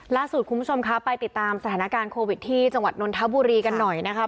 คุณผู้ชมคะไปติดตามสถานการณ์โควิดที่จังหวัดนนทบุรีกันหน่อยนะครับ